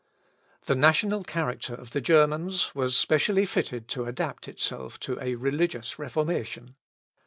The national character of the Germans was specially fitted to adapt itself to a religious Reformation.